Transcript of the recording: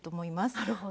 なるほど。